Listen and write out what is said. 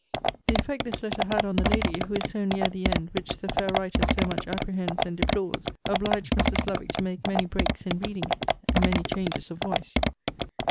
The effect this letter had on the lady, who is so near the end which the fair writer so much apprehends and deplores, obliged Mrs. Lovick to make many breaks in reading it, and many changes of voice.